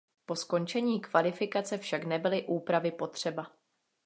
Po skončení kvalifikace však nebyly úpravy potřeba.